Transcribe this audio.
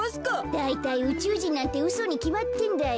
だいたいうちゅうじんなんてうそにきまってんだよ。